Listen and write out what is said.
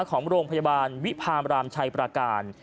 ของโรงพยาบาลวิพามรามชัยประการ